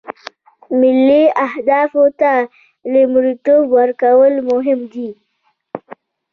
ملي اهدافو ته لومړیتوب ورکول مهم دي